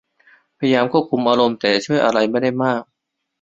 พยายามควบคุมอารมณ์แต่จะช่วยอะไรไม่ได้มาก